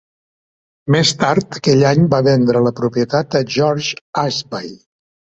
Més tard aquell any, va vendre la propietat a George Ashby.